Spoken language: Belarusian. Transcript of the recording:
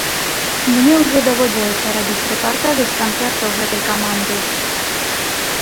Мне ўжо даводзілася рабіць рэпартажы з канцэртаў гэтай каманды.